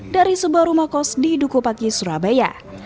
dari sebuah rumah kos di dukupaki surabaya